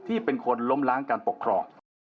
ที่เป็นคนล้มล้างการปกครอง